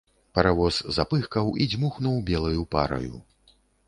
Паравоз запыхкаў і дзьмухнуў белаю параю.